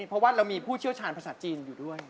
เพราะว่าเรามีผู้เชี่ยวชาญภาษาจีนอยู่ด้วย